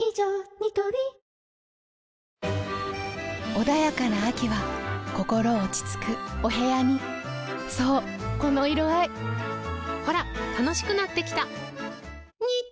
ニトリ穏やかな秋は心落ち着くお部屋にそうこの色合いほら楽しくなってきた！